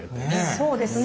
そうですね。